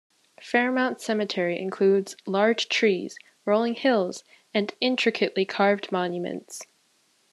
Fairmount Cemetery includes large trees, rolling hills, and intricately carved monuments.